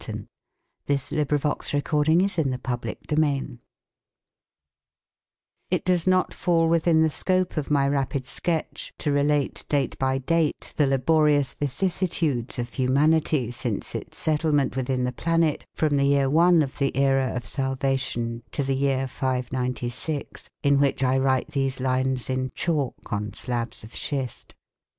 The public health is accordingly magnificent. V REGENERATION It does not fall within the scope of my rapid sketch to relate date by date the laborious vicissitudes of humanity since its settlement within the planet from the year 1 of the era of Salvation to the year 596, in which I write these lines in chalk on slabs of schist.